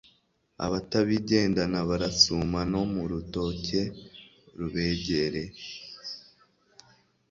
Abatabigendana barasuma No mu rutoke rubegereye